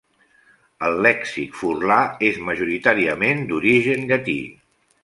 El lèxic furlà és majoritàriament d'origen llatí.